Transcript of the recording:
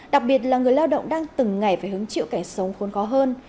đặc biệt là người lao động đang từng ngày phải hứng chịu cảnh sống khôn khó hơn